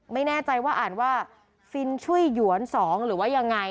ไม่แน่ใจว่าอ่านว่าฟินช่วยหยวน๒หรือว่ายังไง